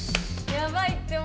やばいってもう。